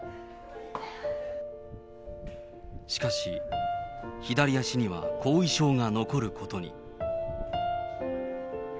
しかし、左足には後遺症が残ることに。